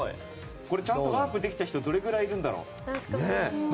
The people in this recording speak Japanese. ちゃんとワープできた人どれぐらいいるんだろう。